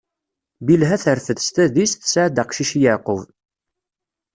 Bilha terfed s tadist, tesɛa-d aqcic i Yeɛqub.